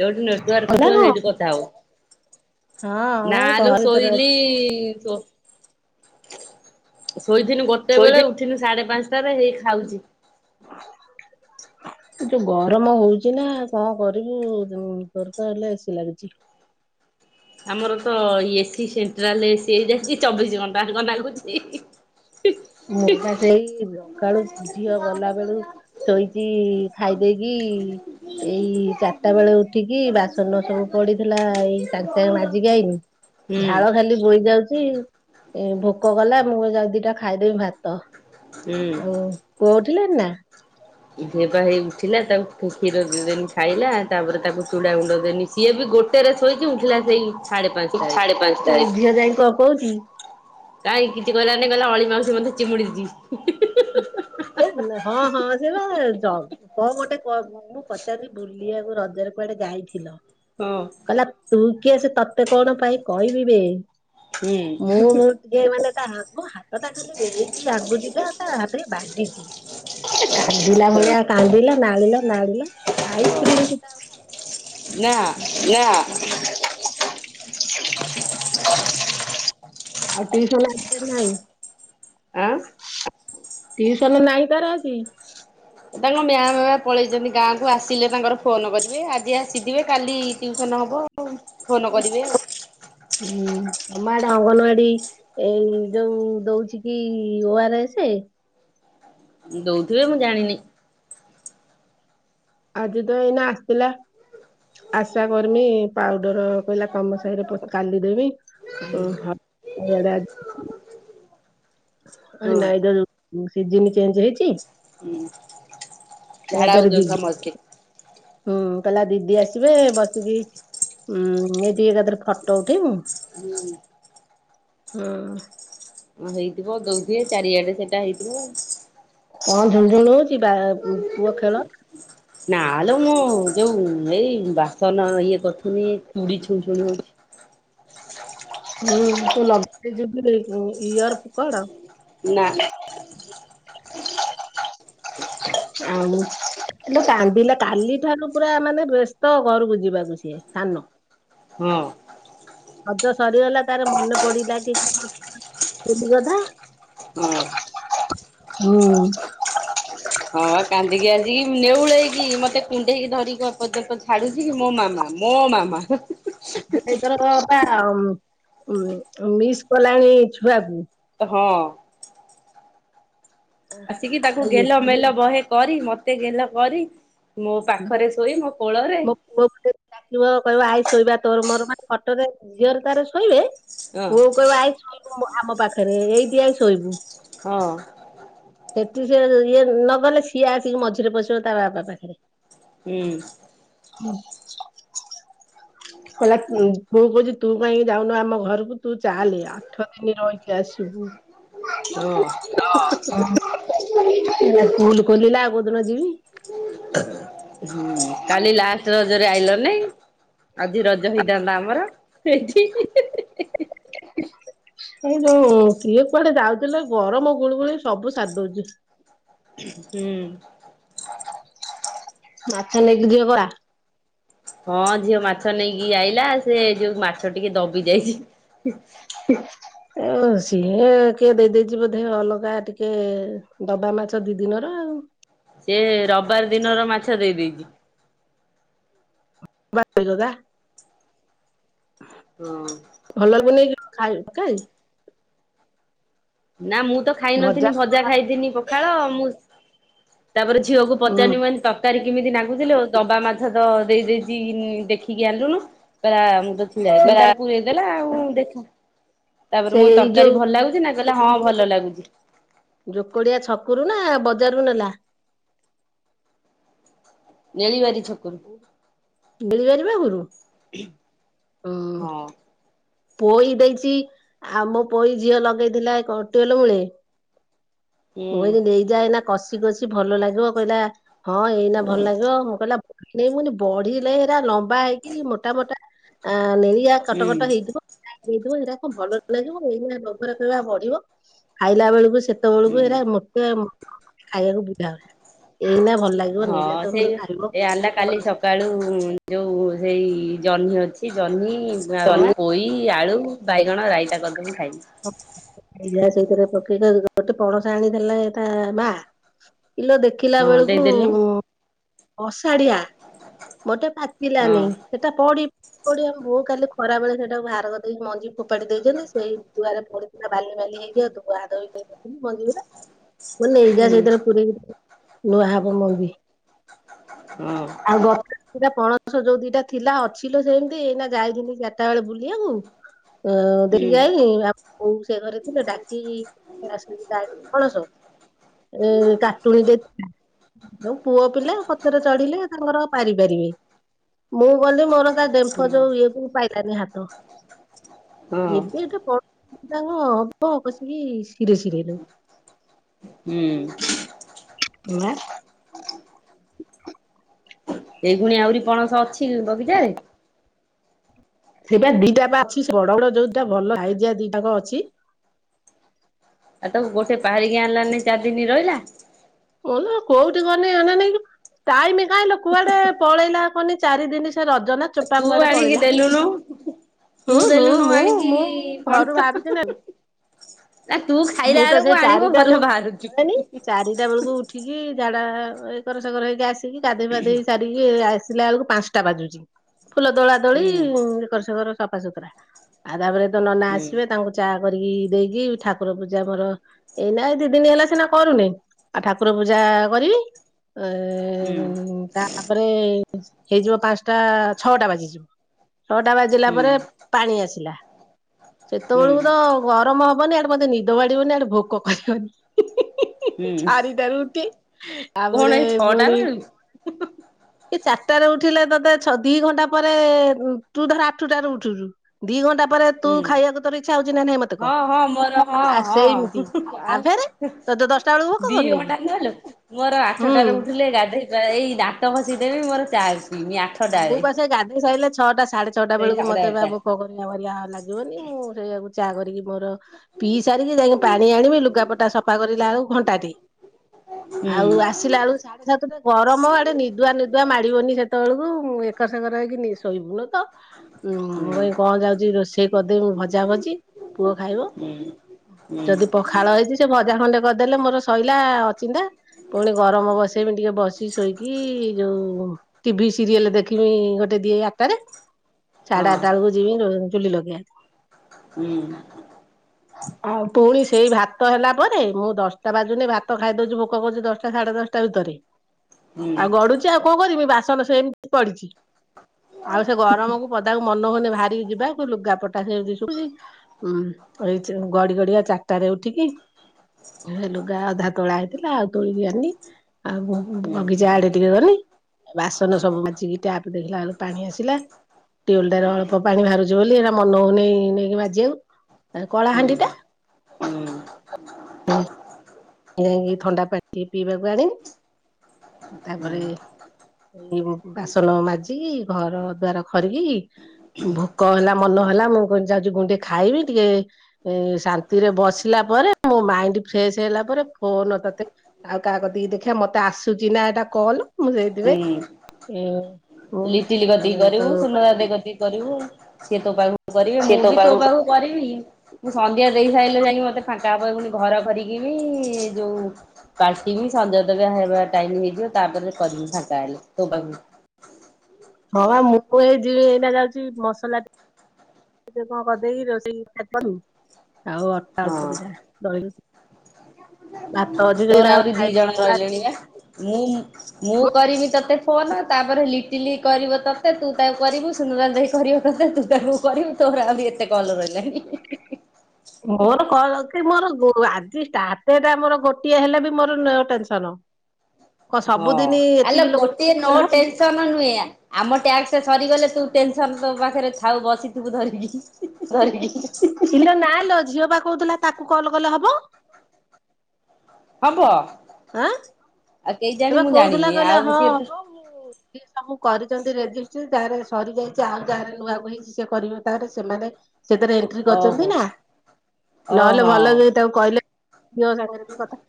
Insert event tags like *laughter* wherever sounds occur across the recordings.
ଯୋଉଠି ନେଟୱାର୍କ ହେଲା କଣ ସେଇଠି କଥା ହୋ। ହଁ ମୁଁ ଏଇ ଘର ନାଲୋ ଭିତରେ ସୋଇୋଇଲି ଅଛି। ସେ ଶୋଇଥିଲି ଗୋଟେ ବେଳେ ଶୋଇଥିଲି ଉଠିନି ସାଢ଼େ ପାଞ୍ଚ ସେ ଏବେ ହେଇ ଖାଉଛି। ଯଉ ଗରମ ହଉଚି ନା କଣ କରିବୁ ଦରକାର ହେଲେ ଏସି ଲାଗୁଛି। ଆମର ତ ଏସିି ସେଣ୍ଟ୍ରାଲ ଏସି ହେଇ ଯାଇଛି ଚବିଶି ଘଣ୍ଟା ଯାକ ଲାଗୁଛି। ଏଇ ସକାଳୁ ଝିଅ ଗଲା ବେଳୁ ଶୋଇଛି ଖାଇ ଦେଇକି ଏଇ ଚାରିଟା ବେଳେ ଉଠିକି ବାସନ ସବୁ ପଡିଥିଲା ଏଇ ସାଙ୍ଗେ ସାଙ୍ଗେ ମାଜିକି ଆଇଲି ହୁଁ ଝାଳ ଖାଲି ବହି ଯାଉଛି। ଏଇ ଭୋକ କଲା ମୁଁ ଯାଉଛି ଦିଟା ଖାଇଦେବି ଭାତ। ହୁଁ ଆଉ ପୁଅ ଉଠିଲାଣି ନା ଝିଅପା ହେଇ ଉଠିଲା ତାକୁ କ୍ଷୀର ଦେନି ଖାଇଲା ତାପରେ ତାକୁ ଚୁଡ଼ା ଗୁଣ୍ଡ ଦେନି ସିଏ ବି ଗୋଟେରେ ଶୋଇକି ଉଠିଲା ସେଇ ସାଢେ ପାଞ୍ଚଟାରେ। ସାଢେ ପାଞ୍ଚଟା ଝିଅ ଯାଇକି କଣ କହୁଛି। କାଇଁ କିଛି କହିଲା ନାଇଁ କହିଲା ଅଲି ମାଉସୀ ମୋତେ ଚିମୁଡିଛି। ହଁ ହଁ ସେ ବା କଣ ଗୋଟେ କରୁ ମୁଁ ପଚାରିଲି ବୁଲିବାକୁ ରଜରେ କୁଆଡେ ଯାଇଥିଲ? ହଁ କନକ ଟୁର କିଏ ସେ ତୋତେ କଣ ପାଇଁ କହିବି ବେ। ହୁଁ। ମୁଁ ଟିକେ ମାନେ *unintelligible* କଥା ଖାଲି ନେଇଛି ଲାଗୁନି ତ ବାପରେ ବାପରେ *unintelligible* କାନ୍ଦିଲା ନାଳିଲା ନାଳିଲା ଆଇସ୍କ୍ରିମ ସେ ଆଉ ନା ଖାଇଲା। ନା। ଆଉ ଟିଉସନ ଆସିବାର ନାହିଁ। ଆଁ ଟିଉସନ ନାଇଁ ତାର ଆଜି ତାଙ୍କ ମାଆଁ ବାବା ପଳେଇଛନ୍ତି ଗାଁକୁ ଆସିଲେ ତାଙ୍କର ଫୋନ କରିବେ ଆଜି ଆସିଥିବେ କାଲି ଟିଉସନ ହବ। ହ ଫୋନ କରିବି ଆଉ ହୁଁ ଆମ ଆଡେ ଅଙ୍ଗନବାଡି ଏଇ ଯୋଉ ଦଉଛି କି ଓ ଆର ଏସ୍ ଦଉଥିବେ ମୁଁ ଜାଣିନି। ଆଜି ତ ଏଇନା ଆସିଥିଲା ଆଶା କରମି ପାଉଡର କହିଲା ତମ ସାହିରେ କାଲି ଦେବି ଆଡେ ଆ ନାଇଁ ହଁ ନାଇଁ ସିଜିିନ ଚେଞ୍ଜ ହେଇଛି। ହୁଁ ଝାଡା ୱେଦର ହଉଛନ୍ତି କେମିତି ସମସ୍ତେ। ହୁଁ? ପିଲା ଦିଦି ଆସିବେ ବସିକି ଉଁ ଏଇ ଟିକେ ଫଟୋ ଉଠିବୁ ହୁଁ। ହେଇଥିବ ଦଉଥିବେ ଚାରିଆଡେ ସେଇଟା ହେଇଥିବ। ହଁ ଝୁଣଝୁଣ ଯିବା ପୁଅ ଖେଳ। ନା ହେଲ ମୁଁ ଯୋଉ ଏଇ ବାସନ ଇଏ କରୁଥୁନି। ଚୁଡ଼ିଛୁଛୁ ନା ହଉଚି। ହୁଁ ତୁ ନ ଯ ଇୟର ପକଡ ନା। ଆଉ କାନ୍ଦିଲେ କାଲି ଠାରୁ ପୁରା ମାନେ ବ୍ୟସ୍ତ ଘରକୁ ଯିବାକୁ ସି ସାନ। ହଁ ହଜ ସରିଗଲା ତାର ମନେ ପଡିଲା କି କଣ କ ହଁ ହୁଁ? ହଁ ବା କାନ୍ଦିକି ଆସିକି ନେଉଳେଇକି ମତେ କୁଣ୍ଡେଇକି ଧରିକି ପର୍ଯ୍ୟନ୍ତ ଛାଡୁଛି ମୋ ମାମା ମୋ ମାମା *unintelligible* ଆଉ ମିସ୍ କଲାଣି ଛୁଆକୁ। ହଁ। ଆସିକି ତାକୁ ଆଉ ଗେଲ ଏତେ ମେଲ ବହେ କରି ମତେ ମୋତେ ଗଲା କରି। ମୋ ପାଖରେ ଶୋଇ ମୋ କୋଳରେ ମୋ ପୁଅ ଗୋଟେିବ କହିବ ଆଇ ଶୋଇବା ତୋର ମୋର ଫଟୋରେ ଝିଅରେ ତାର ଶୋଇବେ। ହଁ ବଉ କହିବ ଆଇଚୁ କି? ଆମ ପାଖରେ ଏଇ ଦିଆ ଶୋଇବୁ। ହଁ। ଏଠୁ ସେ ସିଏ ନ ଗଲେ ସିଏ ଆସିକି ମଝିରେ ପଶିବ ତା ବାପା ପାଖରେ ହୁଁ। ହୁଁ। ହେଲା ମୁୁ କହୁଛି ତୁ କ ଯାଉନୁ ଆମ ଘରକୁ ତୁ ଚାଲି ଆଠ ଦିନ ରହିକି ଆସିବୁ। ହଁ ଭୁଲ କଲେ ବି ମାଡ। ବୋଦନା ଯିବି। *unintelligible* ହୁଁ କାଲି ଲା ରଜରେ ଆଇଲ ନାଇଁ। ଆଜି ରଜ ହେଇଥାନ୍ତା ଆମର ଏଠି ହୁଁ ଏଇ ଯୋଉ କୁଆଡେ ଯାଉଥିଲେ ଗରମ ଗୁଳୁ ଗୁଳି ସବୁ ସଧଉଛି। ହୁଁ। ମାଛ ନେଇକି ଯିଅ ପରା ହଁ ଝିଅ ମାଛ ନେଇକି ଆଇଲା ସେ ଯୋଉ ମାଛ ଟିକେ ଦବି ଯାଇଛି। ଆଉ ସିଏ କିଏ ଦେଇଦେଇଛି ବୋଧେ ଅଲଗା ଟିକେ ଦବା ମାଛ ଦି ଦିନର ଆଉ ସେ ରବିବାର ଦିନର ମାଛ ଦେଇ ଦେଇଛି। *unintelligible* ଭଲ ଲାଗୁନି *unintelligible* ଖାଇ ଖାଇ ନା ମୁଁ ତ ଖାଇନଥଥିଲିନି ଭଜା ଖାଇଥିଲି। ଖାଳ ମୁଁ ତାପରେ ଝିଅକୁ ହୁଁ ପଚାରି ମ ତରକାରୀ କେମିତି ନାଗୁଥିଲେ ଦବା ମାଛ ତ ଦେଇ ଦେଇେଇକ ଦେଖିକି ଆଣିଲୁନୁ ପା ମୁଁ ତ ଥିଲା ଏଇ ଦିନ ତ ପୁରୀଇଦଲା ଆଉ ହୁଁ ଦେଖ। ତାପରେ ସେ ମୋ ଏଇ ତରକାରୀ ଯୋଉ ଭଲ ଲାଗୁଛି ନା। କଲେ ହଁ ଭଲ ଲାଗୁଛି। ଜୋକଡିଆ ଛକରୁ ନା ବଜାରରୁ ନେଲା। ନେଳିିବରିଛି। ଠକୁ ଗେଳିପାରିବା ଘରୁ ହଁ। ପୋଇ ଦେଇଛି ଆମ ପୋଇ ଝିଅ ଲଗେଇଥିଲା କଟିଲ ମିଳେ। ହୁଁ ମୁି ନେଇ ଯାଏ ନା। କଷି କସିି ଭଲ ଲାଗିବ କହିଲା। ହଁ ଏଇନା ଭଲ ଲାଗିବ ମୁଁ କହିଲା। ନାଇଁ ମୁଁି ବଢିଲା ହେରା ଲମ୍ ବା ହେଇ କି ମୋଟା ମୋଟା। ହଁ। ଆ ନେଳିଆ ହୁଁ କଟକଟ ହେଇଥିବ। ସେଇଟାକୁ ଭଲ ଲାଗିବ ଏଇଆ ଲୋଭ ର କହିବା ବଢିବ ଖାଇଲା ବେଳକୁ ସେତେବେଳକୁ ହୁଁ ହେଇରା ମୋତେ ଖାଇବାକୁ ବୁଝାଲା। ହଁ ସେଇ ଏ ଆିଲା କାଲି ସକାଳୁ ଯୋଉ। ସେଇ ଜହ୍ନି ଅଛି ଜହ୍ନି ଆଉ ପୋଇ ଆଳୁ ବାଇଗଣ ରାଇଟା କରିଦେବୁ। ହଁା ରେ ପକେଇକ ଗୋଟେ ପଣସ ଆଣିଦେଲେ ଏ ତା ବା। ପିଲୋ ଦେଖିଲା ହଁ ବେଳକୁ ଦେଇଦେଲୁ ଅଷାଢିଆ। ଗୋଟେ ହଁ ପାଚିଲାନି ସେଟା ପଡି ପଆ ବୋଅ କାଲି ଖରା ବେଳେ ସେଇଟାକୁ ବାହାର କରିଦକି ମଞ୍ଜି ଫୋପାଡି ଦେଇଛନ୍ତି ସେଇ ଗୁଆରେ ପଡିଥିଲା ବାଲି ବାଲି ହେଇକି ଆଉ ଧଆ ଧକଛନ୍ତି ମଞ୍ଜି ଗୁରା ମାନେ ଏଇା ହୁଁ ସେଇଥିରେ ପୁରେଇ ନୂଆ ହେବ ମବି ହୁଁ। ସେଟା ପଣସ ଯୋଉ ଦିଟା ଥିଲା ଅଛି ସେମିତି ଏଇନା ଯାଇ ଚାରିଟା ବେଳେ ବୁଲିବାକୁ ଦେଖି ଯାଇ ଆମ କୋଉ ସେ ଘରେ ଥିଲେ ଡାକ କଣସ ଏ କାଟୁଣୀ ଦେଇଥିଲା। ଯୋଉ ପୁଅ ପିଲା ପଛରେ ଚଢିଲେ ତାଙ୍କର ପାରି ପାରିବେ ମୁଁ ଗଲି ମୋର ଡେମ୍ଫ ହୁଁ ଯୋଉ ଇଏବଉ ପାଇଲାନି ହାତ ତ। ହଁ ଏବେଠୁ ପ ହଁ ହବ ପସିକି ସିରେ ସିରେ ହେଲ ହୁଁ। ନା ଏଇଗୁଣି ଆହୁରି ପଣସ ଅଛି ବଗିଚାରେ ସେବେ ଦିଟା ବା ଅଛି ବଡ ବଡ ଯୋଉଟା ଭଲ ହାଇଜିଆ ଦିଟାକ ଅଛି ଆଉ ତ ଗୋଟେ ବାହାରିକି ଆଣିଲାନି ଚାରିଦିନି ରହିଲା। ହ କୋଉଠି କଲେ ନାଇଁ ଟାଇମି କାଇହିଁ ଲୋ କୁଆଡେ ପଳେଇନା ହନି ଚାରି ଦିନ ସି ସେ ରଜ ନା ଆଉ ଚୋପା ତୁ କୁଆଡେ ଆଣିକି ପଳିଲା ଦେଲୁନୁ ତୁ ହୁଁ ହୁଁ ଦେଲୁନୁ ମୁଁ ମୁଁ ଆଣିକି ମୋ ପଣସ ଘରୁ ବାହାରୁଛିିନ। ନା ତୁ ଖାଇଲା ମୁଁ ତ ବେଳକୁ ସେ ଆଣିବୁ ଭଲ ଚାରିଟାରୁୁ ବାହାରୁଛି ହୁଁ ହେଲେଣିି ଚାରିଟା ବେଳକୁ ଉଠିକି ଝାଡା ଏଇ ଏକସକର ହେଇି ଆସି ଗାଧୋଇ ପାଧୋଇ ସାରିକି ଆସିଲା ବଳକୁ ପାଞ୍ଚା ଟା ବାଜୁଛି ଫୁଲ ଦୋଳା ଦୋଳି ହୁଁ ଏକର ସେକର କର ସପା ସୁୁତୁର ଆ ତାପରେ ନନା ହୁଁ ଆସିବେ ତାଙ୍କୁ ଚା କରିକି ଦେଇକି ଠା ଠାକୁର ପୂଜା ମୋର ଏଇନା ଦି ଦିନ ହେଲା ସିନା କରୁନି ଆଉ ଠାକୁର ପୂଜା କରିନି ଏ ଏ ହୁଁ ତାପରେ ହେଇଯିବ ପାଞ୍ଚଟା ଛଅଟା ବାଜିଯିବ ଛଅଟା ବାଜିଲା ପରେ ପାଣି ଆସିଲା। ହୁଁ ସେତେବେଳକୁ ତ ଗରମ ହବ ମାନ ମୋତେ ନିଦ ବାଡିବନି ଆଡେ ଭୋକ କରିବନି ହୁଁ *inaudible* ଚାରିଟା ରୁଟି, କଣ ତାପରେ ଏଇ ଛଅଟା ପୁଣି, ବେଳୁ ସେ ଚା ଆଠଟାରେ ଉଠିଲେ, ତତେ ଛ ଦି ଘଣ୍ଟା ପରେ, ତୁ ଧର ଆଠଟାରେ ଉଠୁଛୁ, ଦି ଘଣ୍ଟା ପରେ ତୁ ହୁଁ ଖାଇବାକୁ ତର ଇଛା ହଉଛି, ନା ନାହିଁ, ମତେ କହ। ହଁ ହଁ ମୋର ଆ ହଁ, ସେଇମିତି ହଁ ଆ ଆଉ ଫେରେ ତୋତେ ଦଶଟା ବେଳକୁ ଭୋକ ଦିଇ କରୁନି କି? ଘଣ୍ଟା ନେଲୋ, ମୋର ହୁଁ ଆଠଟାରେ ଉଠିଲେ ଗାଧେଇ ଏଇ ଦାନ୍ତ ଘଷିଦେବି ମୋର ଚା ଅଛି। ଆଉ ମୁଁ, ପା ସେ ଗାଧୋଇ ସାଇଲେ, ଛଅଟା, ସାଢେ ଛଅଟା ସେଇ ବେଳକୁ ସାଢେ ମତେ ବା ଆଠଟା ଭୋକ କରିବା ଲାଗିବନି, ମୁଁ ସେଇଆ ଚା କରିକି ମୋର ପିଇ ସାରିକି, ଯାଇକି ପାଣି ଆଣିବି, ଲୁଗାପଟା ସଫା କରିଲା ବେଳକୁ ଘଣ୍ଟାଟେ, ଆଉ ଆସିଲା ବେଳକୁ ସାଢେ ସାତଟା, ଗରମ ଆଡେ ନିଦୁଆ, ନିଦୁଆ ମାଡିବନି ସେତେବେଳକୁ ଏକା ସାଙ୍ଗରେ କିିନି ଶୋଇିବୁନୁ। ମୁଁ ଏଇ କଁ ଯାଉଛି, ରୋଷେଇ କରିଦେବି, ମୁ ଭଜା ଭଜି ପୁଅ ଖାଇବ, ଯଦି ପଖାଳ ହେଇଛି, ସେ ଭଜା ଖଣ୍ଡେ କରିଦେଲେ, ମୋର ସ ଇଲା, ଅଚିନ୍ତା ପୁଣି ଗରମ ବସେଇ ବି ଟିକେ ବସି, ଶୋଇକି ଯୋଉ ଟିଭି ସିରିଏଲ ଦେଖିବି, ଗୋଟେ ଦିଏ ଆଟରେ ସାଢେ ଆଠା ବେଳକୁ ଯିବି ଚୁଲି ଲଗେଇ ଆ ଆଉ ପୁଣି ଉଁ ସେଇ ଭାତ ହେଲା ପରେ, ମୁଁ ଦଶଟା ବାଜୁନି ଭାତ ଖାଇ ଦଉଛି, ଭୋକ କରୁଛି, ଦଶଟା ସାଢେ ଦଶଟା ଭିତରେ, ଆଉ ଗଡୁଛି, ଆଉ କଣ କରିବି, ବାସ ସ *inaudible* ପଡିଛି। ଆଉ ସେ ଗରମକୁ ପଦାକୁ ମନ ହଉନି, ବାହାରିକି ଯିବା, ଲୁଗାପଟା ସେମ ଏଇ, ଗଡି ଗଡିଆ ଚାରିଟା ରେ ଉଠିକି ହେ, ଲୁଗା ଅଧାତୋଳା ହେଇ ଲା ତୋଳି ଆ ନି, ଆଉ ବଗିଚା ଆଡେ ଟିକେ ଗନି, ବାସନ ସବୁ ଟିଆପ ଦେଖିଲା ବେଳକୁ ପାଣି ଆସିଲା, ଟିଅଲ ଟାରେ ଅଳପ ପାଣି ବାହାରୁଛି, ବୋଲି ଏରା ମନ ହୋଉନେଇ, ନେଇକି ମାଜିବାକୁ ଆାଉ କଳାହାଣ୍ଡି ଟା ଯାଇକି, ଥଣ୍ଡା ପାଣି ଟିକେ ପିଇବାକୁ ଆଣିବି । ତାପରେ ଏଇ ବାସନ ମାଜିିକି, ଘର, ଦୁଆର ଖରି କିକି, ଭୋକ ହେଲା, ମନ ହେଲା ମୁଁ କ ଯାଉଛି, କଣ ଟିକେ ଖାଇବି, ଟିକେ ଶାନ୍ତିରେ ବସିଲା ପରେ, ମୋ ମାଇଣ୍ଡ ଫ୍ରେଶ ହେଲା ତାପରେ, ଫୋନ ତତେ ଆଉ କାହା କତିକି ଦେଖିବା, ମତେ ଆସୁଚି ନା ଏଇଟା କଲ୍ ମୁଁ ଯାଇଥିବ ହ *inaudible* ଲିଟିଲି କତିକି କରିବୁ, ସୁନଦା ଦେଇ କରିବୁ ସିଏ ତ ପାଇ। କରିବି ମୁଁ ବି ତୋ ପାଖକୁ କରିବି ମୁଁ ସନ୍ଧ୍ୟା। ଦେଇ ସାରିଲେ ଯାଇକି ମତେ ଫାଙ୍କା ପୁ ଘର କରିକି ବି ଯୋଉ ପାାର୍ଟି ବି ସଞ୍ଜୟ ଦବ ହେବା ଟାଇ ହେଇଯିବ ତାପରେ କରିବି ଫାଙ୍କା ହେଲେ ତୋ ପାଖ। *inaudible* ହଁ ମୁଁ ଏଇ ଯିବି ଏଇନା ଯାଉଛି ମସଲା ଟେ କଣ କରିଦେଇକି ରୋଷେଇ ଖ କରାରୁନୁ। ଆଉ ଅର୍ଟା ଅଳ୍ପ ଦଟା ରହିଲ। ତ ରାଓରି ତାଙ୍କର ଦି ଖାଇବେ ଜଣ କରାଇ ଲେଣି ଆ। ରୋମ୍। ମୁଁ କରିବି ତତେ। କୋନ ତାପରେ ଲିଟିଲି କରିବ ତତେ ତୁ ତାକୁ କରିବୁ ସୁନ୍ଦବାର ଦାଇ କରିବ ତତେ ତୁ ତାକୁ କରିବୁ ତୋର ଆହୁରି ଏତେ କଲ ରହିଲାନି। ମୋର କଣ ଅଛି ମୋର। ଆ ଆଜି ଷ୍ଟଟଟା ମୋର ଗୋଟିଏ ହେଲେ ବି ମୋର ଟେନସନ। କଣ ହଁ ସବୁଦିନି ଆଲେ ଏତିକି ଲୋକ ଗୋଟିଏ ନଅ କଲେ ହବ? ଟେନସନ ନୁହେଁ। ଆମ ଟ୍ୟାକ୍ସ ସରିଗଲେ ତୁ ଟେନସନ୍ ତୋ ପାଖରେ ଥାଉ ବସି ତୁ ଧରିକି। ଧରିକି। ଇଲୋ ନାଲୋ ଝିଅ ବା କହୁଥିଲା ତାକୁ କଲ କଲ କଲେ ହବ। ହବ। ଆଁ ଆଉ କେହି ଜାଣି ଏବେ ମୁଁ କହୁଥିଲା ଜାଣିନି କହିଲା ଆଉ ହଁ। ସିଏ ତ ସବୁ କରିଛନ୍ତି ରେଜିଷ୍ଟ୍ର ଯାରେ ସରିଯାଇଛି ଆଉ ଯାରେ ନୂଆ କ ହେଇଛି ସେ କରିବ ତାହରେ ସେମାନେ। ସେଥିରେ ଏଣ୍ଟ୍ରି ଓହୋ କରିଛନ୍ତି ନା ନହେଲେ ଓହୋ ଭଲ ହେ ତାକୁ କହିଲେ। ଦହ ସାାଗରେ ବି କଥା।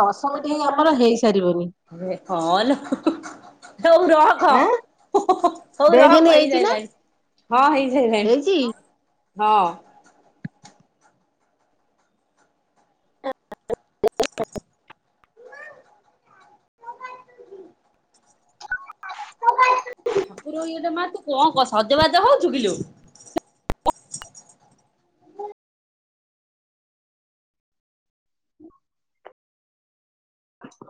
ଦଶ। ତ ହିଁ ଆମର ହେଇଛି। ହଁ ଲୋ। ହଉ ର କ। ଆଁ ହଉ ରହକ ଦେଖେନି ହେଇଛି ନା ହେଇଯାଇଲାଣି ହଁ ହେଇାଇଲାଣି। ହେଇଛି ହଁ। ତୁ ଠାକୁର ଇଏଟା ମା ତୁ କଣ ସଜବାଜ ହଉଛୁ କିଲୋ? *unintelligible* ହ।